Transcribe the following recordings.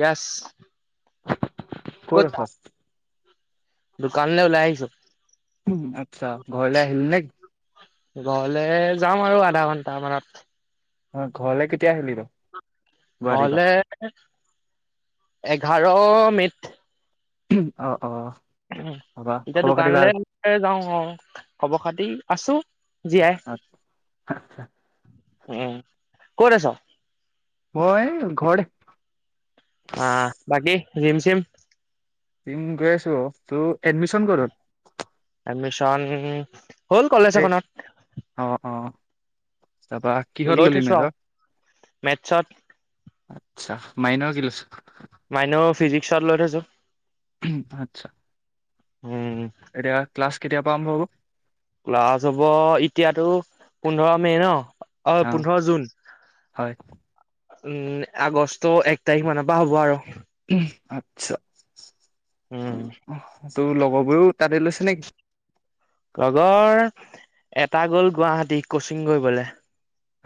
Yes. কত আছা? দোকানলৈ ওলাই আহিছো। উম ', আচ্ছা, ঘৰলৈ আহিল নে কি? ঘৰলে যাম আৰু আধা ঘন্টা মানত। অহ ', ঘৰলে কেতিয়া আহিবি বাৰু? নহলে এক এঘাৰ মেইট [unintelligible] অ অ। উ তাৰপা এতিয়া খবৰ খাতি ভাল? দোকানলে যাওঁ আও, খবৰ খাতি, আছো জীয়াই। উম ক'ত আছ? মই ঘৰতে। আ বাকী যিম চিম জিম গৈ আছো, তোৰ এডমিচন কত হল? এডমিছন হ'ল কলেজ এই এখনত তাৰপৰা কিহত লৈ ললি থৈছো আৰু মেজৰ? মেথছত আত্ছা। মাইনৰ কি লৈছ? মাইনৰ ফিজিক্সত লৈ থৈছো। হম্ আচ্ছা। উম এতিয়া ক্লাছ? কেতিয়া পা আৰম্ভ হব? ক্লাছ হব এতিয়াতো পোন্ধৰ মে' ন। অ পোন্ধৰ জুন। হয়। উম আগষ্ট এক তাৰিখ মানৰ পা হ'ব আৰু। উ আচ্ছা উ উম [inaudible] তোৰ লগৰবোৰেও। তাতে লৈছে নেকি? লগৰ এটা গ'ল গুৱাহাটী কচিং কৰিবলে।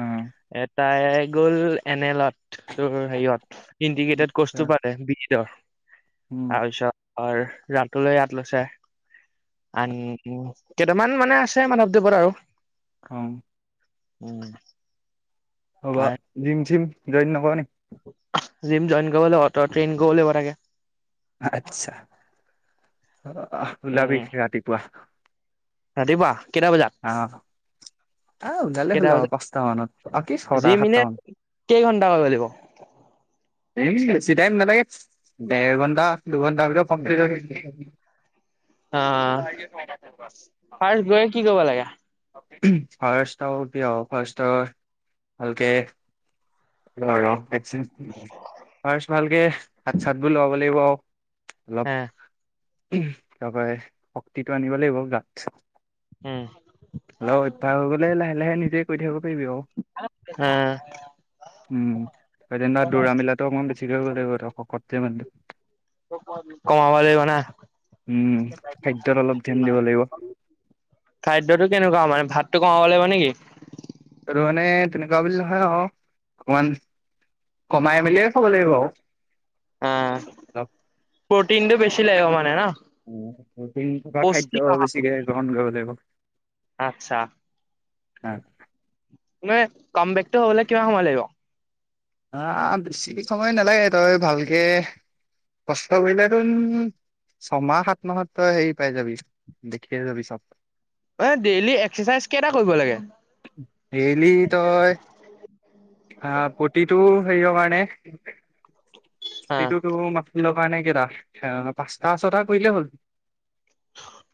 অ' এ তাই গ'ল এনেলত, তোৰ হেৰিয়ত। ইণ্ডিকেটেড আচ্ছা কৰ্চটো পালে বিগীতৰ। উম [unintelligible] [inaudible] আৰ ৰাতুলে ইয়াত লৈছে। আন কেইটামান মানে আছে মাধৱদেৱত আৰু। অ উম [unintelligible] অব জিম চিম? জইন নকৰ নেকি? জিম জইন কৰিব লাগিব তই ট্ৰেইন কৰিব লাগিব তাকে আচ্ছা অঁ ওলাবি উম ৰাতিপুৱা। ৰাতিপুৱা কেইটা বজাত অ অঁ, ওলালে কেইটা হ'ল আৰু বজাত পাঁচটা মানত আৰু কি ছটা জিম এনে সাতটা মান কেই ঘন্টা কৰিব লাগিব বেছি টাইম নালাগে দেৰ ঘন্টা দুঘণ্টাৰ ভিতৰত কমপ্লিট হৈ অ ফাৰ্ষ্ট গৈ কি কৰিব লাগে ফাৰ্ষ্ট আৰু কি আৰু ফাৰ্ষ্ট ভালকে ৰহ এক ছেকেণ্ড ভালকে হাত চাত বোৰ লব লাগিব আৰু হে অলপ তাৰ পৰাই শক্তিটো আনিব লাগিব গাত উম অল উৎফাস হৈ গ'লে লাহে লাহে নি দে কৰি থাকিব পাৰিবি আও অ উম তই যেনিবা দৌৰা মেলাটো অকমান বেছি কৰিব লাগিব তই শকত যে মানুহটো কমাব লাগিব ন উম খাদ্যত অলপ ধ্যান দিব লাগিব খাদ্যটো কেনেকুৱা মানে ভাত কমাব লাগিব নেকি ত মানে তেনেকুৱা বুলি নহয় আৰু অকমান কমাই মেলিয়ে খাব লাগিব আৰু অঁ, অলপ প্ৰটিনটো বেছি লাগিব মানে ন উম প্ৰটিন থকা পৌষ্টিক খাদ্য আহাৰ বেছিকে গ্ৰহণ কৰিব লাগ অহ আচ্ছা মানে কাম বেক টো হবলে কিমান সময় লাগিব আহ, বেছি সময় নালাগে তই ভালকে কষ্ট কৰিলে তোন ছমাহ সাত মাহত তই হেৰি পাই যাবি দেখিয়ে যাবি চব এ ডেইলি এক্সাৰচাইজ কেইটা কৰিব লাগে ডেইলি তই আহ প্ৰতিটো হেৰিয় কাৰণে হা সেইটোটো মাফি লক কাৰনে কেইটা পাঁচটা ছটা কৰিলেই হ'ল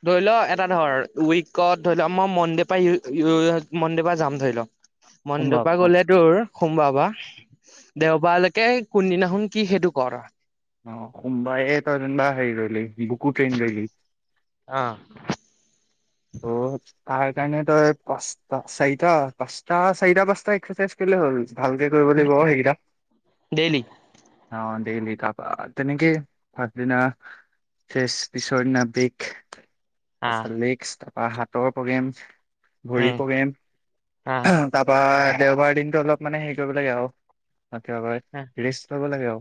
ধৰি লও এটা ধৰ উইকত ধৰি লও মই মনডে পৰা মনডেৰ পৰা যাম ধৰি লও মনদে সোমবাৰ পা অ গলে তোৰ সোমবাৰ পা দেওবাৰালৈকে কোন দিনাখন কি সেইটো ক তই অ সোমবাৰে তই যেনিবা হেৰি ললি বুকু ট্ৰেইন কৰিলি অ ত তাৰ কাৰণে তই পাঁচটা চাৰিটা পাঁচটা চাৰিটা পাঁচটা এক্সাৰচাইজ কৰিলে হ'ল ভালকে কৰিব লাগিব অ এইকেইটা ডেইলি অ দেইলি তাৰপা তেনেকে আকদিনা ফেচ পিছৰ দিনা বেগ আহ আচতা লেগচ্ তা পা হাতৰ প্ৰগ্ৰেমচ্ ভৰি উম প্ৰগ্ৰেম আহ আ হা তাৰপা দেওবাৰৰ দিনতটো অলপ মানে হেৰি কৰিব লাগে আও কিবা কয় ৰেষ্ট লব লাগে আও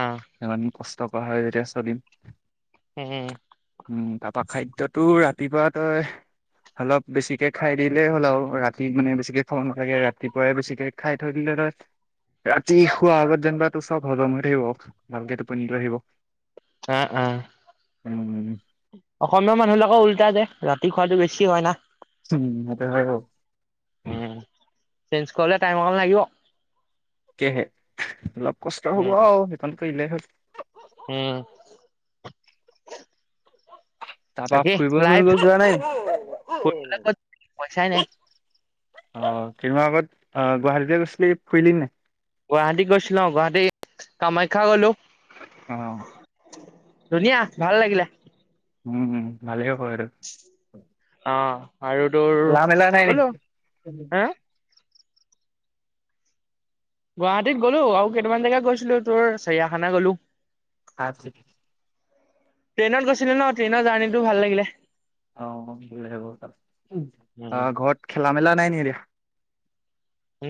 আহ ইমান কষ্ট তা পা হৈ যেতিয়া চলিম উম উম তাৰাপা খাদ্যতো ৰাতি ৰাতিপুৱা তই অলপ বেছিকে খাই দিলেই হ'ল আৰু ৰাতি মানে বেছিকে খাব নালাগে ৰাতিপুৱাই বেছিকে খাই থৈ দিলে তই ৰাতি শোৱাৰ আগত যেনিবা তোৰ চব হজম হৈ থাকিব ভালকে টুপনিতো আহিব আহ আহ উমমম অসমীয়া মানুহবিলাকৰ উল্টা যে ৰাতি খোৱাটো বেছি হয় না উম সেটো হয় বাৰু চেঞ্জ কৰিবলে টাইম অকণ লাগিব তাকেহে অলপ কষ্ট হ'ব উম আৰু সেইকণ লে হল উম তাৰপা বাকী ফুৰিব লাইফ চুঙৰিব যোৱা নাই নি অ ফুৰিবলৈ ক'ত যাবি, পইচাই নাই কেইদিনমান আগত অ গুৱাহাটীলে গৈছিলি ফুৰিলি নাই গুৱাহাটী গৈছিলো গুৱাহাটী কামাখ্যা গলো অহ ধুনীয়া ভাল লাগিলে উমম ভালে হ অ আৰু তোৰ খেলা মেলা নাই নেকি গলো আ গুৱাহাটীত গলো আৰু কেইটামান জেগা গৈছিলো তোৰ চৰিয়াখানা গ'লো আছ ট্ৰেইনত গৈছিলো ন ট্ৰেইনৰ জাৰ্ণিটো ভাল লাগিলে অ ভালে হল উম অহ ঘৰত খেলা মেলা নাই নি এতিয়া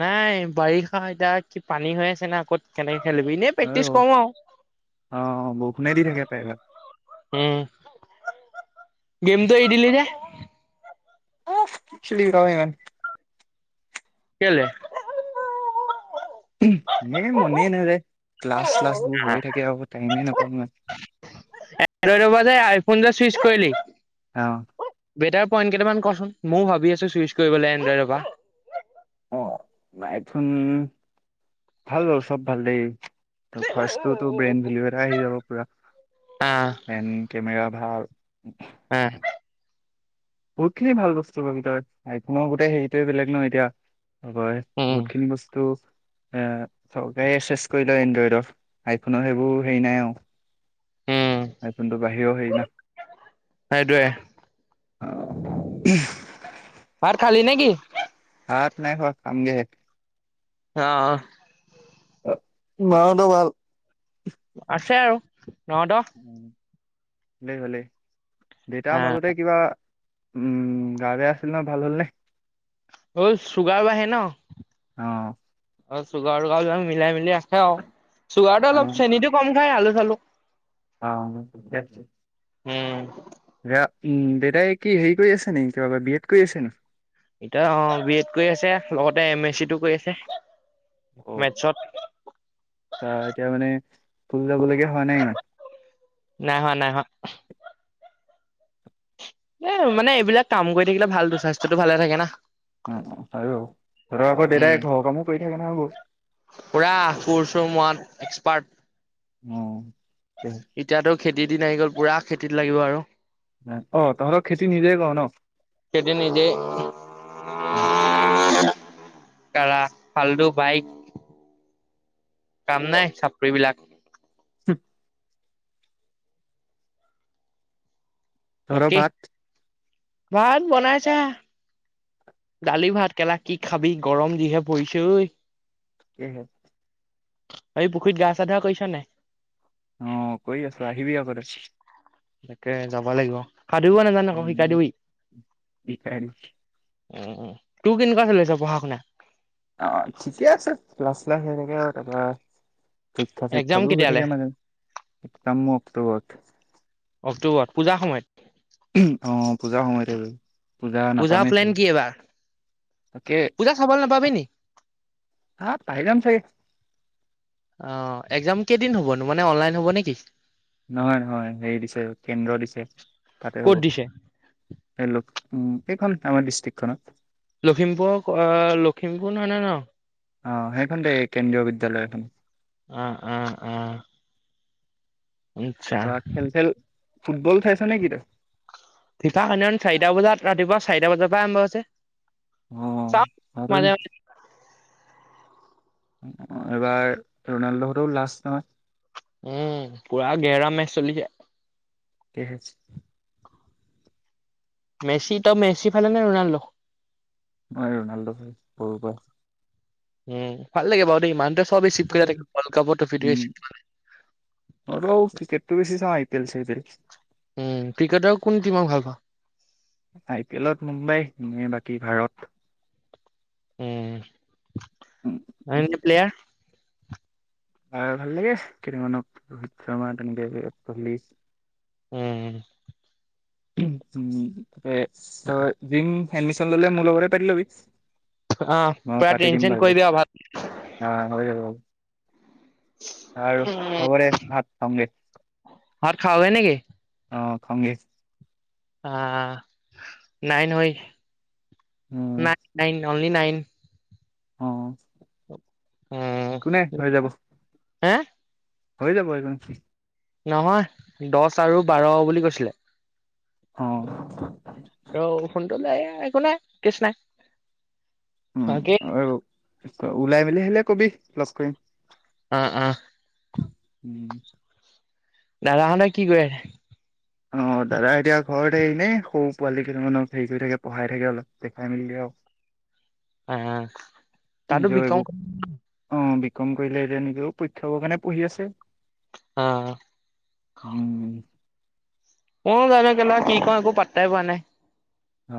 নাই বাৰিষা এতিয়া কি পানী হৈ আছে না কত কেনেকে এনেই প্ৰেক্টিচ বাৰু অ কৰো আও বৰষুণে দি থাকে প্ৰায়ভাগ উম গেমটো এৰি দিলি যে অ চুলি় গ ইমান কেলে উহু এ মনে নাজাই ক্লাছ শ্লাছ বোৰ হৈয়ে থাকে আও টাইমেই নাপাওঁ মই চুইছ কৰিলি? আহ বেটাৰ পইণ্ট কেইটামান কচোন, ময়ো ভাবি আছো চুইচ কৰিবলৈ এনডইডৰ পৰা অ নাইথোন ভাল বাও, চব ভাল দেই। ত ফাৰ্ষ্টটো টো ব্ৰেইন ভেল এ আহি যাব। পুৰা আহ এন কেমেৰা, ভাল। হ আহ [unintelligible] বহুত খিনি ভাল বস্তু পাবি তই। আইফোনৰ গোটেই হেৰিটোৱে বেলেগ ন এতিয়া। হয় হয় উম বহুত খিনি বস্তু, এ চৰকাৰে এচ এছ কৰি লয় এনড্ৰইডৰ। আইফোনৰ সেইবোৰ হেৰি নাই আও উম আইফোনটো বাহিৰৰেও সেই ন [inaudible] সেইটোৱে ভাত খালি নে কি? ভাত নাই খোৱা, খামগেহে অ অ মা হতৰ ভাল? আছে আৰু। ন দহ। ভালেই ভালেই। দেউতাৰ মাজতে কিবা, উম গা বেয়া আছিল নহয়, ভাল হ'লনে অ চুগাৰ আহে ন, অহ অ চুগাৰ উুগাও য মিলাই মিলা। সেৱ, চুগাৰ টো অলপ চেনীতটো কম খাই আলু চালু। অ উম উম দেউতাই কি হেৰি কৰি আছে নেকি, কিবা বি এড কৰি আছে নেকি? এতিয়া অ বি এড কৰি আছে লগতে এম এছ চি টো কৰি আছে মেস্কট। তা এতিয়া মানে যাবলগীয়া হোৱা নাই মানে, নাই হোৱা নাই হোৱা এ মানে এইবিলাক কাম কৰি থাকিলে ভালটো, স্বাস্থ্য টো ভালে থাকে না উম উম আৰু, তহতৰ আকৌ দেতাই উম ঘৰৰ কামো কৰি থাকে ন হ'বৌ পাট অ এতিয়াতো খেতিৰ দিন আহি গ'ল পুৰা খেতিত লাগিব আৰু অ তহঁতক খেতি নিজে কৰ ন। খেতি নিজেই তাৰা ফাল্ডু বাইক কাম নাই সাপৰি বিলাক। [unintelligible] ধৰ বাকী ভাত ভাত বনাইছে। ডালি ভাত কেলা কি খাবি গৰম দিহে পৰিছ ঐ। [unintelligible] এই পুখুৰীত গা চাহ ধোৱা কৰিছা নে নাই? অ কৰি আছো আহিবি আকৌ তাকে যাব লাগিব। সাঁতুৰিব নাজানো আকৌ শিকাই উম দিবি শিকাই দিম। উম তোৰ কেনেকুৱা চলি আছে পঢ়া শুনা? অ ঠিকে আছে ক্লাস শ্লাস হৈয় থাকে তাৰপৰা পৰীক্ষা একজাম চৰিক্ষা বাৰো হৈ থাকে কেতিয়ালে বাৰু মাজে মাজে কাৰণ মোৰ [unintelligible] অক্টোবৰত পূজাৰ সময়ত। অ পূজাৰ সময়তে গল। পূজা প্লেন কি এবাৰ? তকে পূজা চাবলৈ নাপাবি নি হা পাই যাম চাগে! অ এক্সাম কেইদিন হ'ব নো মানে অনলাইন হব নেকি? নহয় নহয় হেৰি দিছে কেন্দ্ৰ দিছে তাতে ক'ত হব দিছে সেই লোক উম এইখন আমাৰ ডিষ্ট্ৰিকখনত। লখিমপুৰক লখিমপুৰ নহয় ননে ন? অ সেইখন তেই কেন্দ্ৰীয় বিদ্যালয় খন। উম উম উম। অ খেল খেল। ফুটবল চাইছা নে কি তই? ফিফা চাৰিটা বজাত ৰাতিপুৱা চাৰিটা বজাৰ পৰা আৰম্ভ হৈছে। অ চাওঁ মাজে আৰুণ মাজে। এইবাৰ ৰনাল্ডোহতো লাষ্ট নহয়। উম পোৰা গেহেৰা মেচ চলিছে। [unintelligible] মেচি ত মেচি ফালে নে ৰোনাল্ডো? মই ৰনাল্ডো ভ সৰু পা। উম ভাল লাগে বাৰু দেই ইমানতে উম ক্ৰিকেটটো বেছি চ। কেলচে হ উম ক্ৰিকেটাও কোন দিমাক ভাল পা। কি ভাৰত। উম। উম, অ 'প্লেয়াৰ। আৰু ভাল লাগে কেইটামানক ৰোহিত শৰ্মা তেনেকে পলি। উম। উম উম। ত বিং এডমিশন ললে মোৰ লগৰে পাৰিলোবি। আহ ম পুৰা পাতি ট্ৰেইন দিম চেইন বাৰো কৰিবি আৰু ভাত অ' হৈ যাব। আৰু হবদে ভাত খাঙগে। ভাত খাওঁগে নেকি। অ' খংগে। অ' নাইন হৈ উম [inaudible] নাই নাই ন। Only nine. অ। কোনে হৈ যাব। হা। হৈ যাব। নহয় দহ আৰু বাৰ বুলি কৈছিলে। অ। অ সুটোলৈ একো নাই কষ্ নাই। উম বাকী আৰু। ওলাই মেলি হলে কবি প্ল। উম উ। উম। ন ৰা ন কি কৰে। অ' দাদা এতিয়া ঘৰত হৰিনেে সৰু পোৱালি কেইানক হেৰি কৰি থাকে পঢ়াই থাকে অলপ দেখাই মেলে আৰু। উ। জবুক অ। কম কৰিলে এতিয়া নেকি পৰীক্ষ কাৰণে পঢ়ি আছে। অ উম। অ' জানো [unintelligible] কো পাত্তাই পোৱা নাই।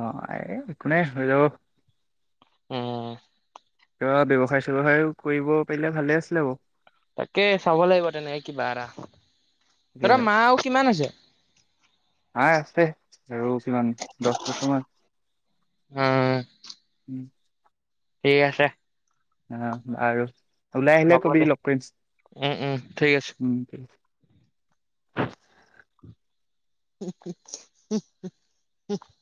অ' একোনোই হৈ যাব উম। কিবা ব্যৱসায় চ্ৱসায় কৰিব পাৰিলে ভালে আছিলে বৌ। তাকে চাব লাগিব তেনেকে কিবা এৰা তৰা তাকেহে মা আৰু কিমান আছে আমাৰ আছে আৰু কিমান দহ বছৰমান উম উম, ঠিক আছে। অ আৰু ওলাই আহিলে হ'ব কবি দে লগ কৰি উম উম ঠিক আছে উম। [unintelligible]